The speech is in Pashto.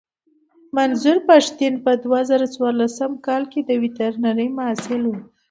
منظور پښتين په دوه زره څوارلسم کې د ويترنرۍ محصل و.